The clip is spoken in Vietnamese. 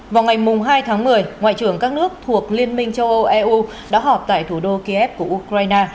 vào ngày hai tháng một mươi ngoại trưởng các nước thuộc liên minh châu âu eu đã họp tại thủ đô kiev của ukraine